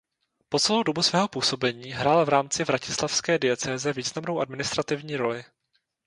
Po celou dobu svého působení hrál v rámci vratislavské diecéze významnou administrativní roli.